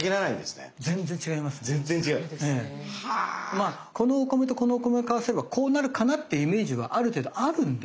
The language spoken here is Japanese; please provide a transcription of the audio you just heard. まあこのお米とこのお米を交わせばこうなるかなっていうイメージはある程度あるんですよ。